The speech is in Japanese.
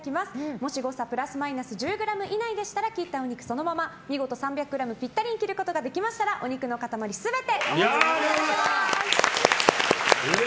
もし誤差プラスマイナス１０ｇ以内でしたら切ったお肉をそのまま見事３００ｇぴったりに切ることができましたらお肉の塊全てお持ち帰りいただけます。